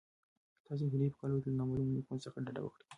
تاسو د انټرنیټ په کارولو کې له نامعلومو لینکونو څخه ډډه وکړئ.